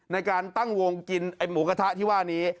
ในการตั้งวงกินไอ้หมูกระทะที่ว่านี้